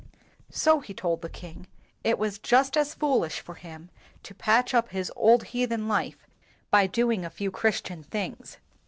So, he told the king, it was just as fool ish for him to patch up his old heathen life by doing a few Christian things.